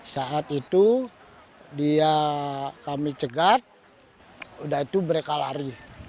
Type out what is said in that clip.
saat itu dia kami cegat udah itu mereka lari